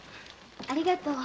ありがとう。